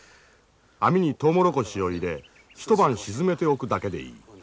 網にトウモロコシを入れ一晩沈めておくだけでいい。